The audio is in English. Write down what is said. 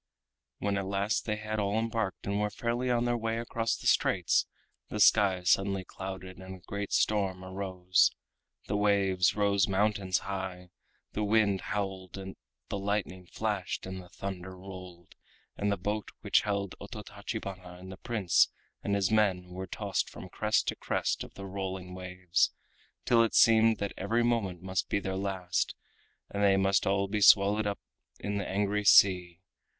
When at last they had all embarked and were fairly on their way across the straits, the sky suddenly clouded and a great storm arose. The waves rose mountains high, the wind howled, the lightning flashed and the thunder rolled, and the boat which held Ototachibana and the Prince and his men was tossed from crest to crest of the rolling waves, till it seemed that every moment must be their last and that they must all be swallowed up in the angry sea.